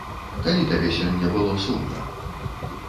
Калі табе сёння было сумна?